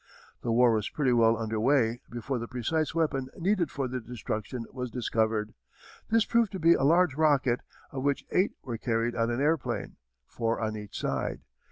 The war was pretty well under way before the precise weapon needed for their destruction was discovered. This proved to be a large rocket of which eight were carried on an airplane, four on each side.